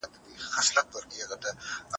ښه خلک د ژوند په ترخو کي هم صبر کوي.